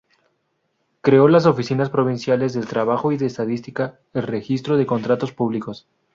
Creó las Oficinas Provinciales del Trabajo y de Estadística, el Registro de Contratos Públicos.